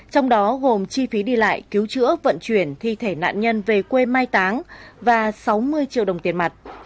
trong đó gồm chi phí đi lại cứu chữa vận chuyển thi thể nạn nhân về quê mai táng và sáu mươi triệu đồng tiền mặt